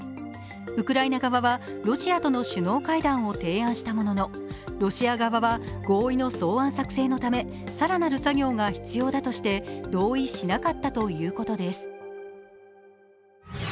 ウクライナ側はロシアとの首脳会談を提案したものの、ロシア側は合意の草案作成のため更なる作業が必要だとして同意しなかったということです。